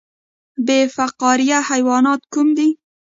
بې فقاریه حیوانات کوم دي؟